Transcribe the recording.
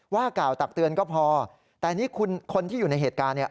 ว่ากล่าวตักเตือนก็พอแต่นี่คุณคนที่อยู่ในเหตุการณ์เนี่ย